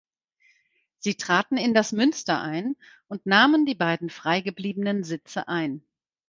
Sie traten in das Münster ein und nahmen die beiden frei gebliebenen Sitze ein.